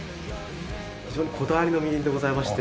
非常にこだわりのみりんでございまして。